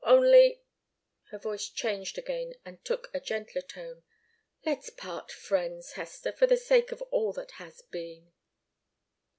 Only " her voice changed again and took a gentler tone "let's part friends, Hester, for the sake of all that has been."